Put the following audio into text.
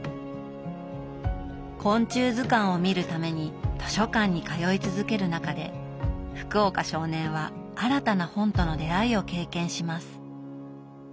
昆虫図鑑を見るために図書館に通い続ける中で福岡少年は新たな本との出会いを経験します。